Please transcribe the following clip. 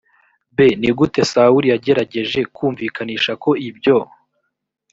b ni gute sawuli yagerageje kumvikanisha ko ibyo